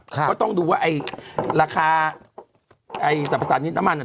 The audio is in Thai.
ก็ต้องดูว่าไอ้ราคาไอ้สรรพสามิตรน้ำมัน